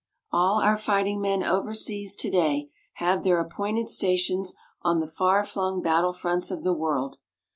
All our fighting men overseas today have their appointed stations on the far flung battlefronts of the world.